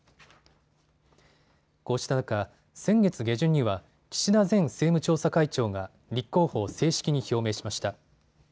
こうした中、先月下旬には、岸田前政務調査会長が立候補を正式に表明しました。